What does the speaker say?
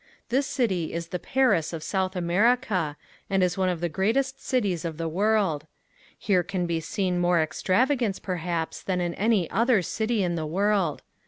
This city is the Paris of South America and is one of the great cities of the world. Here can be seen more extravagance perhaps than in any other city in the world.